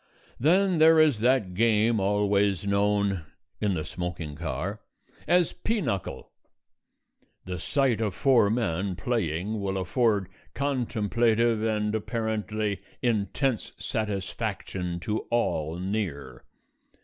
Then there is that game always known (in the smoking car) as "pea knuckle." The sight of four men playing will afford contemplative and apparently intense satisfaction to all near.